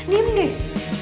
banah tapi widzit tuh